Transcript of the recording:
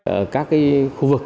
ở các khu vực